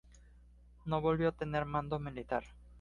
No volvió a tener mando militar.